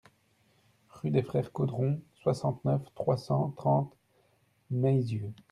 Rue des Frères Caudron, soixante-neuf, trois cent trente Meyzieu